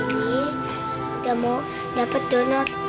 udah mau dapet donor